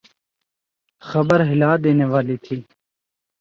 خبر ہلا دینے والی تھی۔